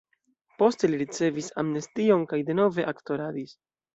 Poste li ricevis amnestion kaj denove aktoradis.